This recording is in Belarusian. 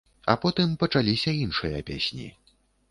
А потым пачаліся іншыя песні.